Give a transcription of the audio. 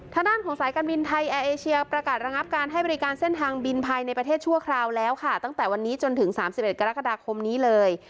ทางด้านของสายการบินไทยแอร์เอเชียประกาศระงับการให้บริการเส้นทางบินภายในประเทศชั่วคราวแล้วค่ะตั้งแต่วันนี้จนถึง๓๑กรกฎาคมนี้เลย